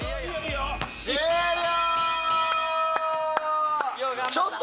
終了！